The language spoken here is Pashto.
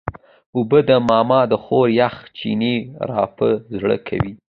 اوبه د ماما د کور یخ چینې راپه زړه کوي.